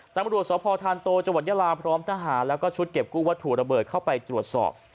ตำรวจสพธานโตจังหวัดยาลาพร้อมทหารแล้วก็ชุดเก็บกู้วัตถุระเบิดเข้าไปตรวจสอบ